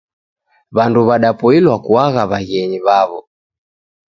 Wandu wadapoila kuagha waghenyi wawo.